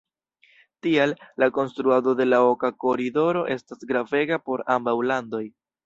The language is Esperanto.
Tial, la konstruado de la Oka Koridoro estas gravega por ambaŭ landoj.